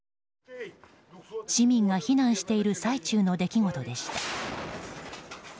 市民が避難している最中の出来事でした。